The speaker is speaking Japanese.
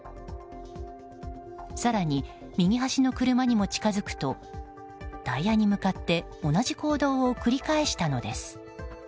更に、右端の車にも近づくとタイヤに向かって同じ行動を繰り返したのです。